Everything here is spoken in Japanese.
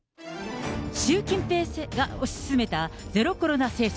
習近平政権が推し進めたゼロコロナ政策。